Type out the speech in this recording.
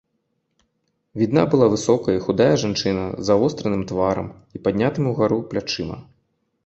Відна была высокая і худая жанчына з завостраным тварам і паднятымі ўгару плячыма.